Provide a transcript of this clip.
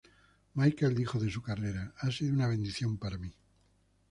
Michael dijo de su carrera “Ha sido una bendición para mi.